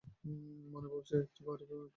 মনে ভাবছ, এটা ভারি একটা দামি জিনিস!